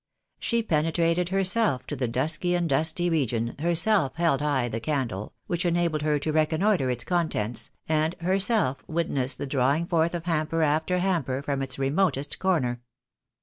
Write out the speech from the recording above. She penetrated herself to the dusky and dusty region, herself held high the candle, which enabled her to reconnoitre its contents, and herself witnessed the drawing forth of hamper after ■hamper from its remotest corner.